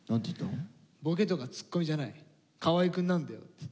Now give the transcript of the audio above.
「ボケとかツッコミじゃない河合くんなんだよ」って。